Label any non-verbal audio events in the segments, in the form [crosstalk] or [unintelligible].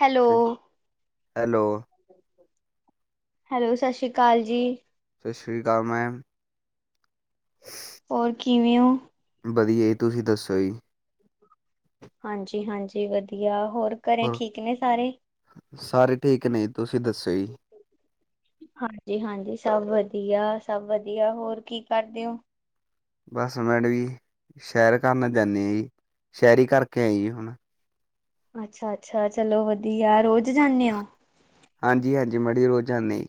Hello ਸਤਿ- hello hello ਸਤਿ ਸ਼੍ਰੀ ਅਕਾਲ ਜੀ। ਸਤਿ ਸ਼੍ਰੀ ਅਕਾਲ ਮੈਮ। ਹੋਰ ਕਿਵੇਂ ਓ? ਵਦੀਐ ਤੂਸੀ ਦੱਸੋ ਜੀ? ਹਾਂਜੀ, ਹਾਂਜੀ ਵਦੀਆ ਹੋਰ ਘਰੇ ਠੀਕ ਨੇ ਸਾਰੇ? ਸਾਰੇ ਠੀਕ ਨੇ, ਤੂਸੀ ਦੱਸੋ ਈ? ਹਾਂਜੀ, ਹਾਂਜੀ ਸਾਬ ਵਦੀਆ, ਸਾਬ ਵਦੀਆ ਹੋਰ ਕੀ ਕਾਰਦੇ ਓ? ਬਸ ਮੈਡਸ ਈ, ਸੈ਼ਹਰ ਕਾਮ ਜਾਂਨੇ ਆਂ ਈ ਸੈ਼ਹਰੀ ਕਾਰਕੇ ਆਈਏ ਹੁਣ ਅੱਛਾ, ਅੱਛਾ ਚਲੋ ਵਦੀਆ ਰੋਜ ਜਾਂਨੇ ਓ? ਹਾਂਜੀ, ਹਾਂਜੀ ਮਾੜੀ ਰੋਜ਼ ਜਾਂਦੇ।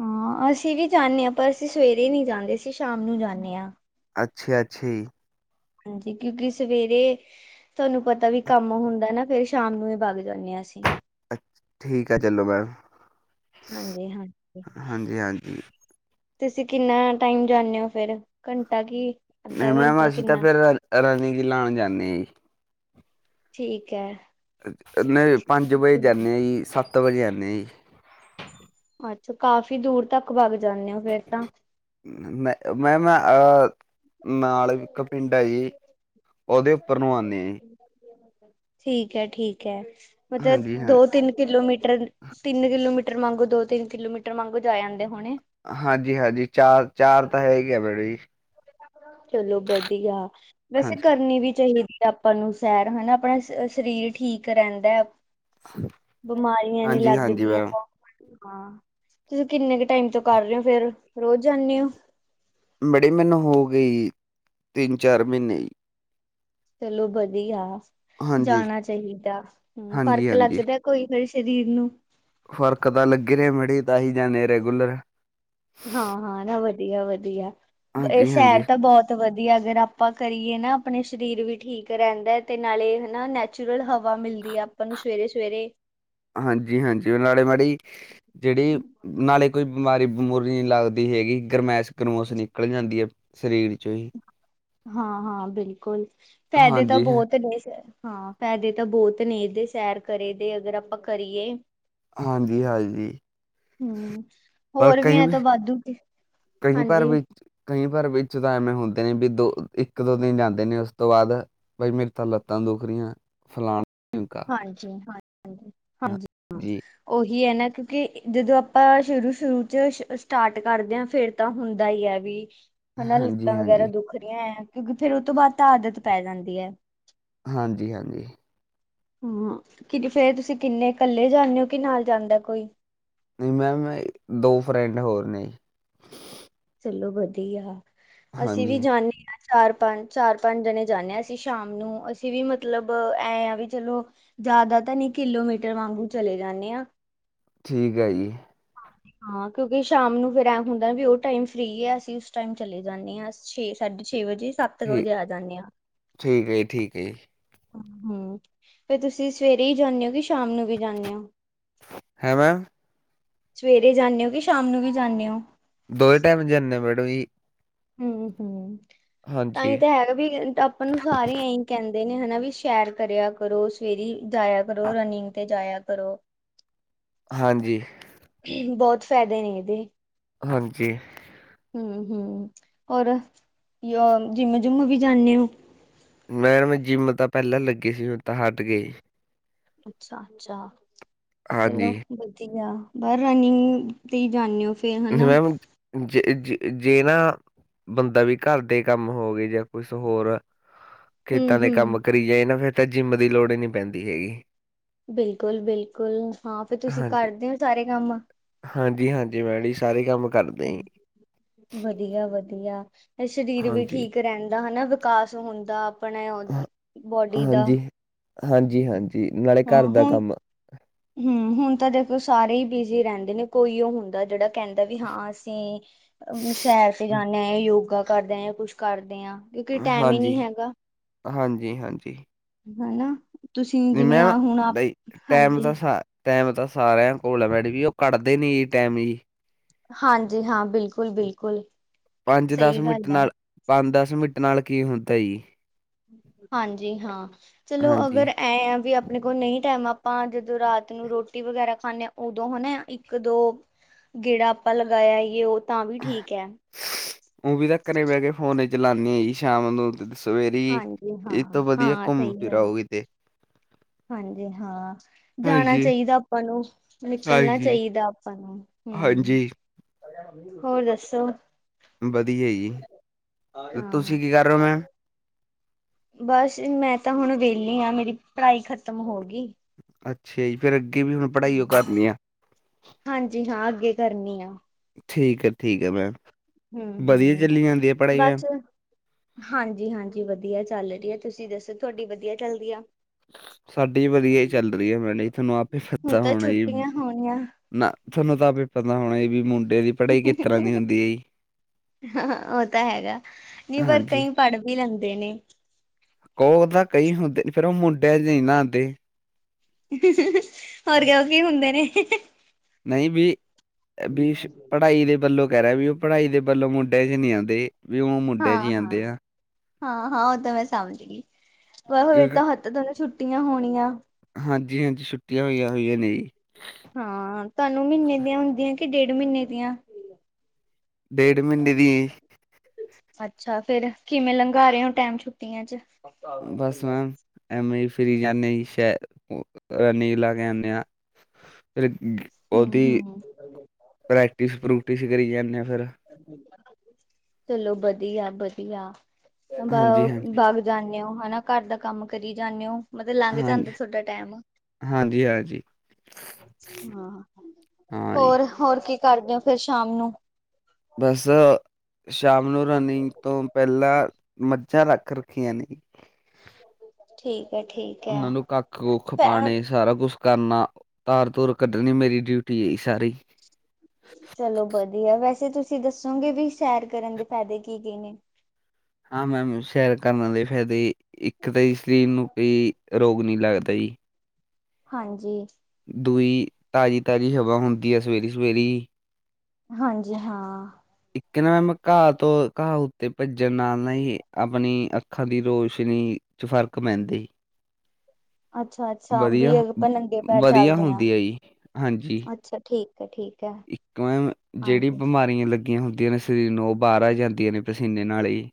ਹਾਂ, ਅਸੀ ਵੀ ਜਾਂਦੇ ਆ ਪਰ ਅਸੀ ਸਵੇਰੇ ਨੀ ਜਾਂਦੇ, ਅਸੀ ਸ਼ਾਮ ਨੂੰ ਜਾਂਦੇ ਆ। ਅੱਛਾ, ਅੱਛਾ। ਹਾਂਜੀ, ਕਿਉਂਕਿ ਸਵੇਰੇ ਤੁਹਾਨੂੰ ਪਤਾ ਵੀ ਕੰਮ ਹੁੰਦਾ ਨਾ ਫੇਰ ਸ਼ਾਮ ਨੂੰ ਈ ਬਗ ਜਾਂਦੇ ਆ ਅਸੀ। ਠੀਕ ਐ ਚਲੋ ਮੈਮ, ਹਾਂਜੀ-ਹਾਂਜੀ। ਹਾਂਜੀ-ਹਾਂਜੀ। ਤੁਸੀ ਕਿੰਨਾ ਟਾਈਮ ਜਾਂਦੇ ਓ ਫੇਰ, ਘੰਟਾ ਕੀ? ਨਹੀ ਅੱਧਾ ਮੈਮ ਘੰਟਾ ਅਸੀ ਤਾਂ ਕਿੰਨਾ? ਫੇਰ, ਰਨਿੰਗ ਈ ਲਾਉਣ ਜਾਂਦੇਆ ਈ ਠੀਕ ਐ। ਨਹੀ ਪੰਜ ਵਜੇ ਜਾਂਦੇ ਆ ਈ ਸੱਤ ਵਜੇ ਆਉਦੇ ਆ ਈ। ਅੱਛਾ ਕਾਫ਼ੀ ਦੂਰ ਤਾਕ ਬਾੱਗ ਜਾਨੇ ਓ ਫੇਰ ਤਾਂ। ਮੇ ਮੈਮ ਅ ਨਾਲ ਇਕ ਪਿੰਡ ਐ ਜੀ ਓਹਦੇ ਉਪਰ ਨੂੰ ਆਉਦੇ ਆ ਈ। ਠੀਕ, ਠੀਕ ਜੀ ਹਾਂਜੀ ਮਤਲਬ ਹਾਂ ਦੋ-ਤਿੰਨ ਕਿਲੋਮੀਟਰ। ਤਿੰਨ ਕਿਲੋਮੀਟਰ ਮਾਂਗੋ ਦੋ- ਤਿੰਨ ਕਿਲੋਮੀਟਰ ਮਾਂਗੋ ਜਾ ਆਂਉਦੇ ਹੋਣੇ? ਹਾਂਜੀ, ਹਾਂਜੀ ਚਾਰ, ਚਾਰ ਤਾਂ ਹੈ ਈ ਐ ਮੈਡਮ ਜੀ। ਚਲੋ ਵਧੀਆ, ਵੈਸੇ ਹਾਂਜੀ, ਕਰਨੀ ਵੀ ਚਾਹੀਦੀ। ਆਪਾਂ ਨੂੰ ਸੈਰ ਹਨਾ ਅਪਣਾ ਸਰੀਰ, ਸ਼ਰੀਰ ਠੀਕ ਰਹਿੰਦਾ ਐ ਬਿਮਾਰੀਆਂ ਨੀ ਹਾਂਜੀ-ਹਾਂਜੀ ਲੱਗਦੀਆਂ ਮੈਮ। ਓ। ਹਾਂ ਤੁਸੀ ਕਿੰਨੇ ਕ ਟਾਈਮ ਤੋਂ ਕਰ ਰਹੇ ਓ ਫੇਰ, ਰੋਜ ਜਾਂਦੇ ਓ? ਬੜੇ ਮੈਨੂੰ ਹੋ ਗਈ ਤਿੰਨ- ਚਾਰ ਮਹੀਨੇ ਚਲੋ ਵਧੀਆ, ਹਾਂਜੀ, ਜਾਣਾ ਚਾਹੀਦਾ, ਹਮ ਫ਼ਰਕ ਹਾਂਜੀ-ਹਾਂਜੀ। ਲੱਗਦਾ ਕੋਈ ਨਾ ਸਰੀਰ ਨੂੰ। ਫ਼ਰਕ ਤਾਂ ਲੱਗ ਰਹੇ ਮੜੇ ਤਾਂ ਹੀ ਜਾਂਦੇ ਰੈਗੂਲਰ। ਹਾਂ -ਹਾਂ ਨਾ ਵਧੀਆ -ਵਧੀਆ ਇਹ ਸ਼ਹਿਰ ਹਾਂਜੀ-ਹਾਂਜੀ, ਤਾਂ ਬਹੁਤ ਤੇ ਵਧੀਆ ਅਗਰ ਆਪਾਂ ਕਰੀਏ ਨਾ ਆਪਣੇ ਸਰੀਰ ਵੀ ਠੀਕ ਰਹਿੰਦਾ ਤੇ ਨਾਲੇ ਹਨਾ ਨੈਚ ਨੇਚੂਰਲ ਹਵਾ ਮਿਲਦੀ ਆ ਆਪਾਂ ਨੂੰ ਸਵੇਰੇ- ਸਵੇਰੇ। ਹਾਂਜੀ ਹਾਂਜੀ ਉਹ ਨਾਲੇ ਮਾੜੀ ਜਿਹੜੀ ਨਾਲੇ ਕੋਈ ਬਿਮਾਰੀ ਬਮੂਰੀ ਨਹੀਂ ਲੱਗਦੀ ਹੈਗੀ ਗਰਮਾਇਸ਼ ਗਰਮੋਸ ਨਿਕਲ ਜਾਂਦੀ ਹੈ ਸਰੀਰ 'ਚੋਂ ਹੀ ਹਾਂ- ਹਾਂ ਬਿਲਕੁਲ ਫਾਇਦੇ ਤਾਂ ਹਾਂਜੀ, ਬਹੁਤ ਨੇ ਸਰ। ਹਾਂ ਫਾਇਦੇ ਤਾਂ ਬਹੁਤ ਨੇ ਇਹਦੇ ਸੈਰ ਕਰੇ ਦੇ ਅਗਰ ਆਪਾਂ ਕਰੀਏ। ਹਾਂਜੀ-ਹਾਂਜੀ। ਹਮ ਪਰ ਹੋਰ ਵੀ ਐ ਕਈ ਤਾਂ ਵਾਧੂ ਕਈ ਪਰ ਹਾਂਜੀ ਵਿੱਚ ਕਈ ਵਾਰ ਵਿੱਚ ਤਾਂ ਐਵੇਂ ਹੁੰਦੇ ਨੇ ਵੀ ਦੋ ਇੱਕ ਦੋ ਦਿਨ ਜਾਂਦੇ ਨੇ ਉਸ ਤੋਂ ਬਾਅਦ ਬਾਈ ਮੇਰੇ ਤਾਂ ਲੱਤਾਂ ਦੁਖ ਰਹੀਆਂ ਫਲਾਣਾ ਢਿਮਕਾ ਹਾਂਜੀ ਹਾਂਜੀ ਹਾਂਜੀ ਹਾਂ। ਓਹੀ ਏ ਨਾ ਕਿਉਂਕਿ ਜਦੋ ਆਪਾਂ ਸ਼ੁਰੂ -ਸ਼ੁਰੂ ਚ ਸਟਾਰਟ ਕਰਦੇ ਆਂ ਫੇਰ ਤਾਂ ਹੁੰਦਾ ਈ ਐਵੀ ਹਨਾ ਹਾਂਜੀ ਲੱਤਾਂ ਵਗੈਰਾ ਹਾਂਜੀ ਦੁਖ ਰਹੀਆਂ ਐਂ ਕਿਉਂਕਿ ਫੇਰ ਓਹਦੇ ਤੋਂ ਬਾਅਦ ਤਾਂ ਆਦਤ ਪੈ ਜਾਂਦੀ ਐ। ਹਾਂਜੀ, ਹਾਂਜੀ। ਹਮ ਕਿ ਫਿਰ ਤੁਸੀਂ ਕਿੰਨੇ ਇਕੱਲੇ ਜਾਂਦੇ ਹੋ ਕਿ ਨਾਲ ਜਾਂਦਾ ਕੋਈ ਨਹੀਂ ਮੈਮ ਦੋ ਫਰੈਂਡ ਹੋਰ ਨੇ। ਚਲੋ ਵਧੀਆ, ਅਸੀਂ ਵੀ ਹਾਂਜੀ ਜਾਂਦੇ ਹਾਂ ਚਾਰ- ਪੰਜ, ਚਾਰ -ਪੰਜ ਜਣੇ ਜਾਂਦੇ ਹਾਂ ਅਸੀਂ ਸ਼ਾਮ ਨੂੰ ਅਸੀਂ ਵੀ ਮਤਲਬ ਐਂ ਆ ਵੀ ਚਲੋ। ਜ਼ਿਆਦਾ ਤਾਂ ਨਹੀ, ਕਿਲੋਮੀਟਰ ਵਾਂਗੂੰ ਚਲੇ ਜਾਂਦੇ ਆਂ। ਠੀਕ ਹੈ ਜੀ। ਹਾਂ ਕਿਉਂਕਿ ਸ਼ਾਮ ਨੂੰ ਫਿਰ ਐਂ ਹੁੰਦਾ ਵੀ ਉਹ ਟਾਈਮ ਫ੍ਰੀ ਹੈ ਅਸੀਂ ਉਸ ਟਾਈਮ ਚਲੇ ਜਾਂਦੇ ਆ। ਛੇ ਸਾਢੇ ਛੇ ਵਜੇ ਸੱਤ ਕੁ ਠੀਕ ਵਜੇ ਆ ਜਾਂਦੇ ਹਾਂ। ਠੀਕ ਹੈ ਜੀ ਠੀਕ ਹੈ ਜੀ ਹਮ ਫਿਰ ਤੁਸੀਂ ਸਵੇਰੇ ਹੀ ਜਾਂਦੇ ਹੋ ਕਿ ਸ਼ਾਮ ਨੂੰ ਵੀ ਜਾਂਦੇ ਹੋ? ਹੈਂ ਮੈਮ ਸਵੇਰੇ ਜਾਂਣੇ ਹੋ ਕਿ ਸ਼ਾਮ ਨੂੰ ਵੀ ਜਾਂਣੇ ਹੋ। ਦੋਵੇ ਟਾਈਮ ਜਾਂਦੇ ਮੈਡਮ ਜੀ। ਹੂੰ -ਹੂੰ ਤਾਂ ਹੀ ਹਾਂਜੀ ਹੈਗਾ ਵੀ ਮੈਨੂੰ ਸਾਰੇ ਇਹੀ ਕਹਿੰਦੇ ਨੇ ਹਨਾ ਵੀ ਸੈਰ ਕਰਿਆ ਕਰੋ ਸਵੇਰੇ ਈ ਜਾਇਆ ਕਰੋ ਰਨਿੰਗ ਤੇ ਜਾਇਆ ਕਰੋ। ਹਾਂਜੀ ਇਹ ਵੀ ਬਹੁਤ ਫਾਇਦੇ ਨੇ ਇਹਦੇ ਹਾਂਜੀ ਹੂੰ -ਹੂੰ ਹੋਰ ਜਿੰਮ ਜੁੰਮ ਵੀ ਜਾਂਦੇ ਓ। ਮੈਮ ਜਿੰਮ ਤਾਂ ਪਹਿਲਾਂ ਲੱਗੇ ਸੀ ਹੁਣ ਤਾਂ ਹਟ ਗਏ। ਅੱਛਾ -ਅੱਛਾ ਚਲੋ ਹਾਂਜੀ ਵਧੀਆ। ਪਰ ਰਨਿੰਗ ਤੇ ਹੀ ਜਾਂਣੇ ਓ। ਅੱਛਾ ਮੈਮ ਜੇ- ਜੇ- ਜੇ ਨਾ। ਬੰਦਾ ਵੀ ਘਰ ਦੇ ਕੰਮ ਹੋ ਗਏ ਜਾਂ ਕੁਛ ਹੋਰ ਹੂੰ ਖੇਤਾਂ ਦੇ ਕੰਮ ਹੂੰ ਕਰੀ ਜਾਏ ਨਾ ਫੇਰ ਤਾਂ ਜਿੰਮ ਦੀ ਲੋੜ ਹੀ ਨਹੀਂ ਪੈਂਦੀ ਹੈਗੀ। ਬਿਲਕੁਲ- ਬਿਲਕੁਲ ਹਾਂ ਫਿਰ ਤੁਸੀਂ ਕਰਦੇ ਹੋ ਸਾਰੇ ਕੰਮ ਹਾਂਜੀ- ਹਾਂਜੀ ਮੈਡ ਜੀ ਸਾਰੇ ਕੰਮ ਕਰਦੇ ਜੀ ਵਧੀਆ -ਵਧੀਆ ਤੇ ਸਰੀਰ ਵੀ ਹਾਂਜੀ। ਠੀਕ ਰਹਿੰਦਾ ਹਨਾ। ਕਾਸ ਹੁੰਦਾ ਆਪਣੇ ਹਾਂ ੳਹ ਬੋਡੀ ਦਾ ਹਾਂਜੀ, ਹਾਂਜੀ-ਹਾਂਜੀ ਨਾਲੇ ਹੂੰ ਘਰ ਦਾ ਹੁਣ ਕੰਮ ਹੂੰ ਹੁਣ ਤਾਂ ਦੇਖੋ ਸਾਰੇ ਹੀ ਬਿਜੀ ਰਹਿੰਦੇ ਨੇ ਕੋਈ ਉਹ ਹੁੰਦਾ ਜਿਹੜਾ ਕਹਿੰਦਾ ਵੀ ਹਾਂ ਅਸੀਂ ਹੂੰ ਸ਼ਹਿਰ ਤੇ ਜਾਨੇ ਹਾਂ ਯੋਗਾ ਕਰਦੇ ਆਂ ਜਾਂ ਕੁਛ ਕਰਦੇ ਆਂ। ਹਾਂਜੀ- ਹਾਂਜੀ-ਹਾਂਜੀ ਹਨਾ। ਤੁਸੀਂ ਨੀ ਜਿਵੇਂ ਮੈਂ ਵਾਂ ਆ ਹੁਣ ਆਪ ਬਈ ਟਾਈਮ ਹਾਂਜੀ ਦਾ ਸਾ ਟਾਈਮ ਤਾਂ ਸਾਰਿਆਂ ਕੋਲ ਹੈ ਮੈਡਮ ਜੀ ਉਹ ਕੱਢਦੇ ਨੀ ਟਾਈਮ ਜੀ। ਹਾਂਜੀ ਹਾਂ ਬਿਲਕੁਲ-ਬਿਲਕੁਲ ਪੰਜ ਦਸ ਮਿੰਟ ਨਾਲ ਪੰਜ ਦਸ ਮਿੰਟ ਨਾਲ ਕੀ ਹੁੰਦਾ ਈ। ਹਾਂਜੀ ਹਾਂ ਚਲੋ ਹਾਂਜੀ। ਅਗਰ ਐ ਆ ਵੀ ਅ ਆਪਣੇ ਕੋਲ ਨਹੀਂ ਟਾਈਮ ਆਪਾਂ ਜਦੋਂ ਰਾਤ ਨੂੰ ਰੋਟੀ ਵਗੈਰਾ ਖਾਨੇ ਹਾਂ ਉਦੋਂ ਹੋਣੇ ਆਂ ਇੱਕ ਦੋ ਗੇੜਾ ਆਪਾਂ ਲਗਾ ਆਈਏ ਉਹ ਤਾਂ ਵੀ ਠੀਕ ਹੈ। [inaudible] ਉਹ ਵੀ ਤਾਂ ਘਰੇ ਬਹਿ ਕੇ ਫੋਨ ਚਲਾਂਨੇ ਆਂ ਜੀ ਸ਼ਾਮ ਨੂੰ ਤ ਦਸ ਸਵੇਰੇ ਈ ਹਾਂਜੀ ਹਾਂ ਇਹਤੋਂ ਵਧੀਆ ਹਾਂ ਘੁੰਮ ਸਹੀ ਫਿਰ ਗੱਲ ਆਓ ਕਿਤੇ ਹਾਂਜੀ ਹਾਂ ਜਾਣਾ ਹਾਂਜੀ ਚਾਹੀਦਾ ਆਪਾਂ ਨੂੰ ਨਿਕਲਣਾ ਹਾਂਜੀ ਚਾਹੀਦਾ ਆਪਾਂ ਨੂੰ ਹਮ ਹਾਂਜੀ ਹੋਰ ਦੱਸੋ। ਵਧੀਆ ਜੀ ਤੇ ਹਾਂ ਤੁਸੀਂ ਕੀ ਕਰ ਰਹੇ ਹੋ ਮੈਮ ਬਸ ਮੈਂ ਤਾਂ ਹੁਣ ਵਿਹਲੀ ਆਂ ਮੇਰੀ ਪੜ੍ਹਾਈ ਖਤਮ ਹੋ ਗਈ। ਅੱਛਾ ਫੇਰ ਅੱਗੇ ਵੀ ਮੈਂ ਪੜ੍ਹਾਈ ਓ ਹਾਂਜੀ ਕਰਨੀ ਆ। ਹਾਂਜੀ ਹਾਂ ਅੱਗੇ ਕਰਨੀ ਆ ਠੀਕ ਹੈ -ਠੀਕ ਹੈ ਮੈਮ ਹੂੰ ਵਧੀਆ ਹੂੰ ਚੱਲੀ ਜਾਂਦੀ ਹੈ ਪੜ੍ਹਾਈ ਮੈਮ ਬਸ। ਹਾਂਜੀ-ਹਾਂਜੀ ਵਧੀਆ ਚੱਲ ਰਹੀ ਹੈ ਤੁਸੀਂ ਦੱਸੋ ਤੁਹਾਡੀ ਵਧੀਆ ਚੱਲਦੀ ਆ। ਸਾਡੀ ਵਧੀਆ ਹੀ ਚੱਲ ਰਹੀ ਹੈ ਮੈਮ ਜੀ ਤੁਹਾਨੂੰ ਆਪੇ ਹੁਣ ਪਤਾ ਤਾਂ ਹੋਣਾ ਈ। ਛੁੱਟੀਆਂ ਹੋਣੀਆਂ ਨਾ ਤੁਹਾਨੂੰ ਤਾਂ ਆਪੇ ਹੀ ਪਤਾ ਹੋਣਾ ਈ ਵੀ ਮੁੰਡੇ ਦੀ ਪੜ੍ਹਾਈ [inaudible] ਕਿਸ ਤਰ੍ਹਾਂ ਦੀ ਹੁੰਦੀ ਹੈ ਜੀ ਹਾਂ ਉਹ ਤਾਂ ਹੈਗਾ ਨਹੀਂ ਪਰ ਹਾਂਜੀ ਕਈ ਪੜ ਵੀ ਲੈਂਦੇ ਨੇ। ਉਹ ਤੇ ਕਈ ਹੁੰਦੇ ਨੇ ਫਿਰ ਉਹ ਮੁੰਡਿਆਂ 'ਚ ਨਹੀਂ ਆਂਦੇ। [inaudible] ਹੋਰ ਕਿਉ ਕੀ ਹੁੰਦੇ ਨੇ। ਨਹੀਂ ਵੀ, ਬੀਸ਼ ਪੜ੍ਹਾਈ ਦੇ ਵੱਲੋਂ ਕਹਿ ਰਿਹਾ ਵੀ ਉਹ ਪੜ੍ਹਾਈ ਦੇ ਵੱਲੋਂ ਮੁੰਡੇ ਜਿਹੇ ਨਹੀਂ ਆਉਂਦੇ। ਵੀ ਉਹ ਮੁੰਡਿਆਂ 'ਚ ਹੀ ਹਾਂ-ਹਾਂ, ਆਉਂਦੇ ਆ ਹਾਂ-ਹਾਂ ਉਹ ਤਾਂ ਮੈਂ ਸਮਝ ਗਈ। ਬਸ ਫਿਰ ਕਿਉਂਕਿ ਤਾਂ ਤੇ ਦੋਨੋਂ ਛੁੱਟੀਆਂ ਹੋਣੀਆਂ। ਹਾਂਜੀ-ਹਾਂਜੀ ਛੁੱਟੀਆਂ ਹੋਈਆਂ-ਹੋਈਆਂ ਨੇ ਜੀ। ਹਾਂ ਤੁਹਾਨੂੰ ਮਹੀਨੇ ਦੀਆਂ ਹੁੰਦੀਆਂ ਕਿ ਡੇਢ ਮਹੀਨੇ ਦੀਆਂ? ਡੇਢ ਮਹੀਨੇ ਦੀ ਅੱਛਾ ਫਿਰ ਕਿਵੇਂ ਲੰਘਾ ਰਹੇ ਹੋ ਟਾਈਮ ਛੁੱਟੀਆਂ ਚ? ਬਸ ਮੈਮ, ਐਵੇਂ ਹੀ ਫਿਰੀ ਜਾਂਦੇ ਜੀ ਸ਼ਹਿਰ, ਉਹ ਨੀਲ ਲਾ ਕੇ ਆਨੇ ਆਂ। ਫਿਰ ਉਹਦੀ, ਹੂੰ-ਹੂੰ ਪ੍ਰੈਕਟਿਸ ਪ੍ਰੂਕਟਿਸ ਹੀ ਕਰੀ ਜਾਂਦੇ ਆ ਫਿਰ। ਚਲੋ ਵਧੀਆ-ਵਧੀਆ, ਬਾ ਹਾਂਜੀ-ਹਾਂਜੀ ਬਾਗ ਜਾਂਦੇ ਹੋ ਹਨਾ ਘਰ ਦਾ ਕੰਮ ਕਰੀ ਜਾਂਦੇ ਹੋ। ਮਤਲਬ ਲੰਘ ਹਾਂਜੀ ਜਾਂਦਾ ਤੁਹਾਡਾ ਟਾਈਮ। ਹਾਂਜੀ-ਹਾਂਜੀ। ਹਾਂ, ਹਾਂ ਜੀ ਹੋਰ-ਹੋਰ ਕੀ ਕਰਦੇ ਹੋ ਫਿਰ ਸ਼ਾਮ ਨੂੰ? ਬਸ, ਸ਼ਾਮ ਨੂੰ ਰਨਿੰਗ ਤੋਂ ਪਹਿਲਾਂ, ਮ [unintelligible] ਰੱਖ ਰੱਖੀਆਂ ਨੇ। ਠੀਕ ਹੈ ਠੀਕ। ਉਹਨਾਂ ਨੂੰ ਕੱਖ-ਕੁੱਖ ਹੈ ਪਾਉਣੇ। ਸਾਰਾ ਕੁਛ ਕਰਨਾ, ਧਾਰ-ਧੂਰ ਕੱਢਣੀ ਮੇਰੀ ਡਿਊਟੀ ਐ ਜੀ ਸਾਰੀ। ਚਲੋ ਵਧੀਆ। ਵੈਸੇ ਤੁਸੀਂ ਦੱਸੋਗੇ ਵੀ ਸੈਰ ਕਰਨ ਦੇ ਫਾਇਦੇ ਕੀ-ਕੀ ਨੇ? ਹਾਂ ਮੈਮ ਸੈਰ ਕਰਨ ਦੇ ਫਾਇਦੇ, ਇੱਕ ਤਾਂ ਜੀ ਸਰੀਰ ਨੂੰ ਕੋਈ ਰੋਗ ਨਹੀਂ ਲੱਗਦਾ ਜੀ। ਹਾਂਜੀ। ਦੂਈ ਤਾਜ਼ੀ ਤਾਜ਼ੀ ਹਵਾ ਹੁੰਦੀ ਹੈ, ਸਵੇਰੇ ਸਵੇਰੇ ਜੀ। ਹਾਂਜੀ ਹਾਂ। ਇੱਕ ਨਾ ਮੈਂ ਘਾਹ ਤੋਂ ਘਾਹ ਉੱਤੇ ਭੱਜਣ ਨਾਲ ਨਾ ਜੀ ਆਪਣੀ ਅੱਖਾਂ ਦੀ ਰੋਸ਼ਨੀ ਚ ਫ਼ਰਕ ਪੈਂਦੀ। ਅੱਛਾ ਅੱਛਾ ਵੀ ਵਧੀਆ ਆਪਾਂ ਨੰਗੇ ਪੈਰ ਵਧੀਆ ਚੱਲਦੇ ਹਾਂ ਹੁੰਦੀ ਹੈ ਜੀ, ਹਾਂਜੀ। ਅੱਛਾ ਠੀਕ ਹੈ ਠੀਕ ਹੈ। ਇੱਕ ਮੈਂ ਜਿਹੜੀ ਹਾਂਜੀ ਬਿਮਾ ਲੱਗੀਆਂ ਹੁੰਦੀਆਂ ਨੇ ਸਰੀਰ ਨੂੰ ਉਹ ਬਾਹਰ ਆ ਜਾਂਦੀਆਂ ਨੇ ਪਸੀਨੇ ਨਾਲ ਜੀ।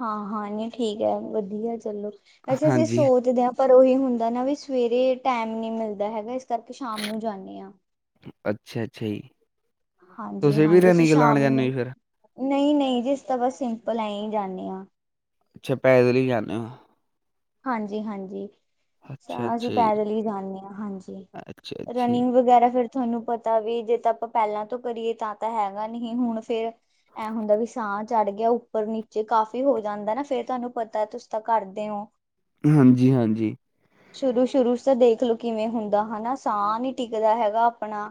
ਹਾਂ ਹਾਂ ਨਹੀਂ ਠੀਕ ਹੈ, ਵਧੀਆ ਚਲੋ। ਵੈਸੇ ਅਸੀਂ ਹਾਂਜੀ ਸੋਚਦੇ ਹਾਂ। ਪਰ ਉਹੀ ਹੁੰਦਾ ਨਾ ਵੀ ਸਵੇਰੇ ਟਾਈਮ ਨਹੀਂ ਮਿਲਦਾ ਹੈਗਾ ਇਸ ਕਰਕੇ ਸ਼ਾਮ ਨੂੰ ਜਾਂਦੇ ਹਾਂ। ਅੱਛਾ ਅੱਛਾ ਜੀ। ਤੁਸੀਂ ਵੀ ਰਨਿੰਗ ਲਾਉਣ ਜਾਂਦੇ ਫਿਰ? ਨਹੀਂ ਨਹੀਂ ਜੀ ਅਸੀਂ ਤਾਂ ਬਸ ਸਿੰਪਲ ਐਂ ਹੀ ਜਾਂਦੇ ਹਾਂ। ਅੱਛਾ ਪੈਦਲ ਹੀ ਜਾਂਦੇ ਹੋ। ਹਾਂਜੀ ਹਾਂਜੀ। ਅੱਛਾ ਤਾਂ ਅਸੀਂ ਅੱਛਾ ਜੀ ਪੈਦਲ ਹੀ ਜਾਂਦੇ ਹਾਂ ਹਾਂਜੀ। ਅੱਛਾ ਅੱਛਾ ਜੀ ਰਨਿੰਗ ਵਗੈਰਾ ਫਿਰ ਤੁਹਾਨੂੰ ਪਤਾ ਵੀ ਜੇ ਤਾਂ ਆਪਾਂ ਪਹਿਲਾਂ ਤੋਂ ਕਰੀਏ ਤਾਂ-ਤਾਂ ਹੈਗਾ ਨਹੀਂ ਹੁਣ ਫਿਰ ਐਂ ਹੁੰਦਾ ਵੀ ਸਾਹ ਚੜ੍ਹ ਗਿਆ। ਉੱਪਰ ਨੀਚੇ ਕਾਫ਼ੀ ਹੋ ਜਾਂਦਾ ਨਾ ਫਿਰ ਤੁਹਾਨੂੰ ਪਤਾ ਤੁਸੀਂ ਤਾਂ ਕਰਦੇ ਹੋ। ਹਾਂਜੀ-ਹਾਂਜੀ। ਸ਼ੁਰੂ ਸ਼ੁਰੂ ਤਾਂ ਦੇਖ ਲਓ ਕਿਵੇਂ ਹੁੰਦਾ ਹਨਾ। ਸਾਹ ਨਹੀਂ ਟਿਕਦਾ ਹੈਗਾ ਆਪਣਾ।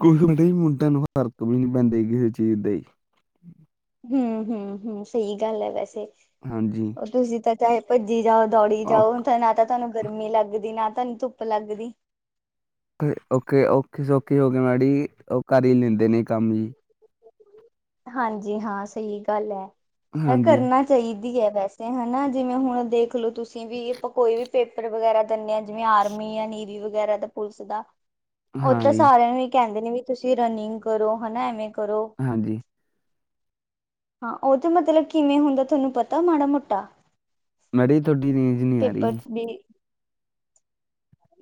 ਕੁਛ ਹੁੰਦਾ ਜੀ ਮੁੰਡਿਆਂ ਨੂੰ ਫਰਕ ਵੀ ਨਹੀਂ ਪੈਂਦਾ ਕਿਸੇ ਚੀਜ਼ ਦਾ ਜੀ। ਹੂੰ ਹੂੰ ਹੂੰ ਸਹੀ ਗੱਲ ਹੈ ਵੈਸੇ। ਹਾਂਜੀ। ਉਹ ਤੁਸੀਂ ਤਾਂ ਚਾਹੇ ਭੱਜੀ ਜਾਓ ਦੌੜੀ ਜਾਓ ਤਾਂ ਨਾ ਤਾਂ ਤੁਹਾਨੂੰ ਗਰਮੀ ਲੱਗਦੀ ਨਾ ਤੁਹਾਨੂੰ ਧੁੱਪ ਲੱਗਦੀ। ਔਖੇ ਔਖੇ ਸੌਖੀ ਹੋ ਕੇ ਮਾੜੀ ਉਹ ਕਰ ਹੀ ਲੈਂਦੇ ਨੇ ਕੰਮ ਜੀ। ਹਾਂਜੀ ਹਾਂ ਸਹੀ ਗੱਲ ਹੈ। ਮੈਂ ਹਾਂਜੀ ਕਰਨਾ ਚਾਹੀਦੀ ਹੈ ਵੈਸੇ ਹਨਾ ਜਿਵੇਂ ਹੁਣ ਦੇਖ ਲਉ ਤੁਸੀਂ ਵੀ ਕੋਈ ਵੀ ਪੇਪਰ ਵਗੈਰਾ ਦਿੰਦੇ ਆ। ਜਿਵੇਂ ਆਰਮੀ ਆ, ਨੇਵੀ ਵਗੈਰਾ ਦਾ, ਪੁਲਿਸ ਦਾ। ਉਹ ਹਾਂ ਤਾਂ ਜੀ ਸਾਰਿਆਂ ਨੂੰ ਹੀ ਕਹਿੰਦੇ ਨੇ ਵੀ ਤੁਸੀਂ ਰਨਿੰਗ ਕਰੋ ਹਨਾ ਐਵੇਂ ਕਰੋ। ਹਾਂਜੀ ਹਾਂ ਉਹ ਤੇ ਮਤਲਬ ਕਿਵੇਂ ਹੁੰਦਾ ਤੁਹਾਨੂੰ ਪਤਾ ਮਾੜਾ ਮੋਟਾ। ਮੈੜ ਤੁਹਾਡੀ ਰੇਂਜ ਨਹੀਂ ਆ ਪੇਪਰ ਰਹੀ। ਵੀ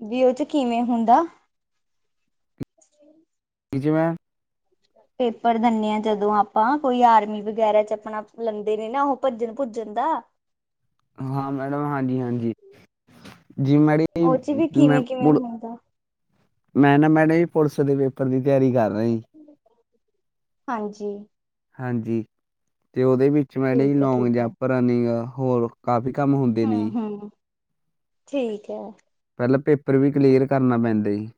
ਵੀ ਉਹ ਚ ਕਿਵੇਂ ਹੁੰਦਾ। ਕਿ ਜ ਮੈ ਪੇਪਰ ਦਿੰਦੇ ਹ ਜਦੋਂ ਆਪਾਂ ਕੋਈ ਆਰਮੀ ਵਗੈਰਾ ਚ ਆਪਣਾ ਲੈਂਦੇ ਨੇ ਨਾ ਉਹ ਭੱਜਣ ਭੁੱਜਣ ਦਾ ਹਾਂ ਮੈਡਮ ਹਾਂਜੀ ਹਾਂਜੀ। ਜੀਮਾੜ ਉਹ ਚ ਵੀ ਕਿਵੇਂ ਕਿਵੇਂ ਮਪ ਹੁੰਦਾ ਮੈਂ ਨਾ ਮੈਡ ਵੀ ਪੁਲਿਸ ਦੇ ਪੇਪਰ ਦੀ ਤਿਆਰੀ ਕਰ ਰਿਹਾ ਸੀ। ਹਾਂਜੀ ਹਾਂਜੀ ਤੇ ਉਹਦੇ ਵਿੱਚ ਮੈਂ ਜ ਠੀਕ ਹੈ ਲੋਂਗ ਠੀਕ ਹੈ ਜਾਂਪ ਰਨਿੰਗ ਹੋਰ ਕਾਫੀ ਕੰਮ ਹੁੰਦਾ ਹਮ ਹਮ ਠੀਕ ਹੈ। ਪਹਿਲਾਂ ਪੇਪਰ ਵੀ ਕਲੀਅਰ ਕਰਨਾ ਪੈਂਦਾ ਸੀ।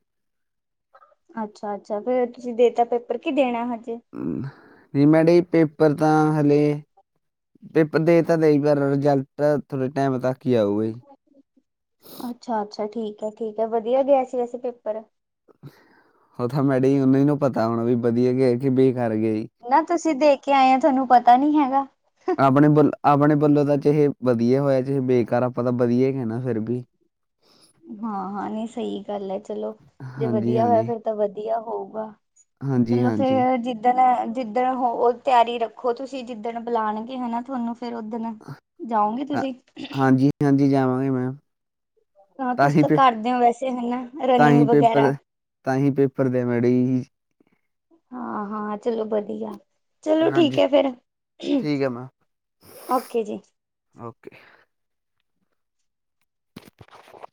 ਅੱਛਾ ਅੱਛਾ ਫੇਰ ਤੁਸੀਂ ਦੇਤਾ ਪੇਪਰ ਕੀ ਦੇਣਾ ਹਜੇ। ਨਹੀਂ ਮੈਡੀੇ ਪੇਪਰ ਤਾਂ ਹਲੇੇ ਪੇਪਰ ਦੇ ਤਾਂ ਦੇਈ ਪਰ ਰਿਜਲਟ ਥੋੜੇ ਟਾਈਮ ਤੱਕ ਹੀ ਆਊਗਾ। ਅੱਛਾ ਅੱਛਾ ਠੀਕ ਹੈ ਠੀਕ ਹੈ ਵਧਆ ਗਿਆ ਸੀ ਵੈਸੇ ਪੇਪਰ ਉਹ ਤਾਂ ਮੈਡੀੇ ਉਹਨਾ ਹੀ ਨੂੰ ਪਤਾ ਹੋਣਾ ਵੀ ਵਧੀਆ ਗਿਆ ਕਿ ਬੇ ਕਰ ਗਿਆ ਸੀ। ਨਾ ਤੁਸੀਂ ਦੇਖ ਕੇ ਆਏ ਹੋ ਤੁਹਾਨੂੰ ਪਤਾ ਨੀ ਹੈਗਾ। ਆਪਣੇ ਵੱਲ ਆਪਣੇ ਵੱਲੋਂ ਤਾਂ ਚਾਹੇ ਵਧੀਆ ਹੋਇਆ ਚੇ ਬੇਕਾਰ ਆਪਾਂ ਤਾਂ ਵਧੀਆ ਕ ਨਾ ਫਿਰ ਵੀ ਹਾਂ ਹਾਂ ਨਹੀਂ ਸਹੀ ਗੱਲ ਹੈ ਚਲੋ ਜੇ ਹਾਂਜੀ, ਵਧੀਆ ਹੋਇਆ ਹਾਂਜੀ, ਫੇਿਰ ਤਾਂ ਵਧੀਆ ਹੋਊਗਾ। ਹਾਂਜੀ, ਚਲੋ ਹਾਂਜੀ। ਫੇਰ ਜਿ ਜਿੱਦਣ ਜਿੱਦਣ ਹੋ ਤਿਆਰੀ ਰੱਖੋ ਤੁਸੀਂ ਜਿੱਦਣ ਬੁਲਾਉਣਗੇ ਹਨਾ ਤੁਹਾਨੂੰ ਫੇਰ ਦਣ ਜਾਓਗੇ ਹਾਂ, ਤੁਸੀਂ ਹਾਂਜੀ ਜਾਵਾਂਗੇ ਮੈਂ ਹਾਂ ਤੁਸੀ ਤਾਂ ਕਰਦੇ ਹੋ ਵੈਸੇ ਹਨਾ ਤਾਂ ਰਨਿੰਗ ਹੀ ਵਗੈਰਾ। ਪੇਪਰ ਤਾਂ ਹੀ ਪੇਪਰ ਦੇ ਮੈ ਡੇ ਹੀ। ਹਾਂ ਹਾਂ ਚਲੋ ਵਧੀਆ। ਚਲੋ ਹਾਂਜੀ। ਠੀਕ ਹੈ ਫਿਰ ਠੀਕ ਹੈ ਮੈਮ ਓਕੇ ਜੀ। ਓਕੇ